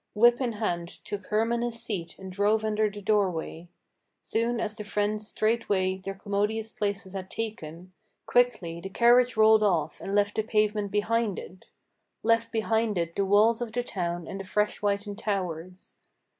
Whip in hand took Hermann his seat and drove under the doorway. Soon as the friends straightway their commodious places had taken, Quickly the carriage rolled off, and left the pavement behind it, Left behind it the walls of the town and the fresh whitened towers.